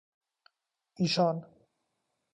ایشان